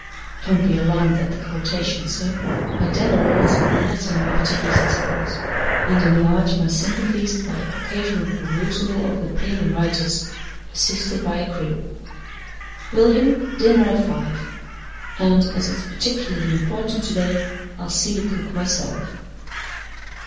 Don't be alarmed at the quotation, sir. I dabble a little in Latin after business hours, and enlarge my sympathies by occasional perusal of the Pagan writers, assisted by a crib. William, dinner at five; and, as it's particularly important to day, I'll see the cook myself."